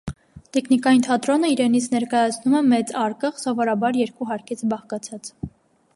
Տիկնիկային թատրոնը իրենից ներկայացնում է մեծ արկղ՝ սովորաբար երկու հարկից բաղկացած։